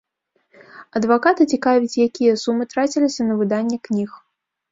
Адваката цікавіць, якія сумы траціліся на выданне кніг.